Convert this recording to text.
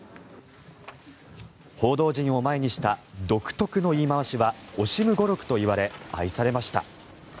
報道陣を前にした独特の言い回しはオシム語録と言われ愛されました。